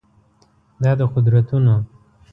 دا د قدرتونو